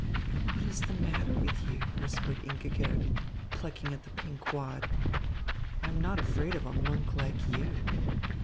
"What is the matter with you?" whispered Ingigerd, plucking at the pink wad. "I am not afraid of a monk like you."